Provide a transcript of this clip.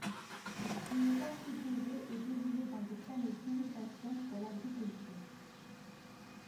Une partie des eaux est déviée dans des canaux d'irrigation pour l'agriculture.